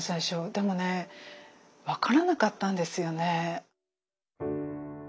でもね分からなかったんですよね。